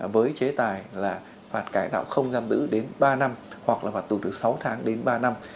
với chế tài là phạt cải đạo không giam đữ đến ba năm hoặc là phạt tù từ sáu tháng đến ba năm